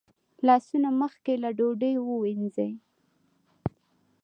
لاسونه مخکې له ډوډۍ ووینځئ